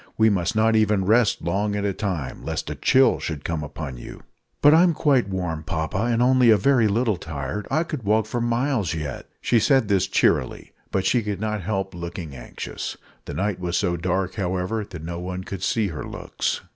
We must not even rest long at a time, lest a chill should come upon you." "But I'm quite warm, papa, and only a very little tired. I could walk for miles yet." She said this cheerily, but she could not help looking anxious. The night was so dark, however, that no one could see her looks.